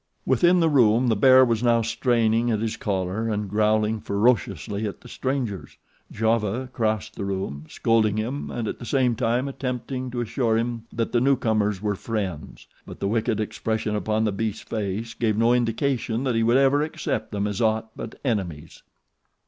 Within the room the bear was now straining at his collar and growling ferociously at the strangers. Giova crossed the room, scolding him and at the same time attempting to assure him that the newcomers were friends; but the wicked expression upon the beast's face gave no indication that he would ever accept them as aught but enemies.